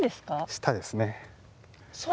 下ですね。